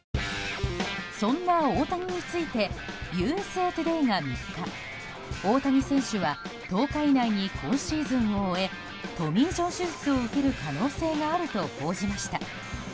そんな大谷についてＵＳＡトゥデイが３日大谷選手は１０日以内に今シーズンを終えトミー・ジョン手術を受ける可能性があると報じました。